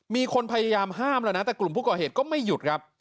มีคนพยายามห้ามแล้วนะแต่กลุ่มผู้ก่อเหตุก็ไม่หยุดครับ